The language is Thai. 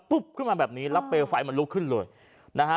ขึ้นมาแบบนี้แล้วเปลวไฟมันลุกขึ้นเลยนะฮะ